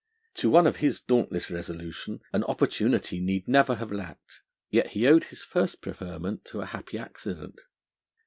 To one of his dauntless resolution an opportunity need never have lacked; yet he owed his first preferment to a happy accident.